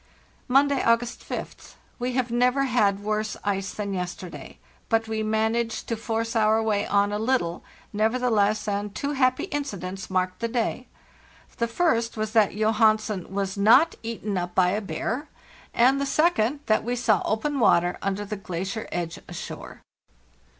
"Monday, August 5th. We have never had worse ice than yesterday, but we managed to force our way on a little, nevertheless, and two happy incidents marked the day: the first was that Johansen was not eaten up by " INCONCEIVABLE TOIL TREMS LAND AT LAST 29 WNW a bear, and the second, that we saw open water under the glacier edge ashore.